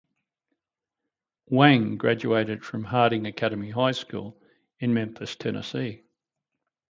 Wang graduated from Harding Academy High School in Memphis, Tennessee.